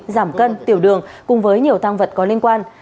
giảm cân tiểu đường cùng với nhiều tăng vật có liên quan